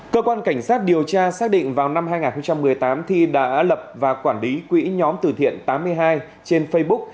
cơ quan cảnh sát điều tra xác định vào năm hai nghìn một mươi tám thi đã lập và quản lý quỹ nhóm từ thiện tám mươi hai trên facebook